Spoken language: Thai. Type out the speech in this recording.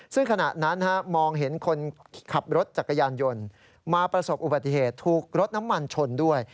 ซึ่งขณะนั้นมองเห็นคนขับรถจักรยานยนต์มาประสบอุบัติเหตุถูกรถน้ำมันชนด้วย